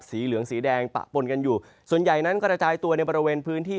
สีเหลืองสีแดงปะปนกันอยู่ส่วนใหญ่นั้นกระจายตัวในบริเวณพื้นที่